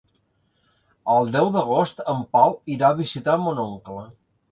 El deu d'agost en Pau irà a visitar mon oncle.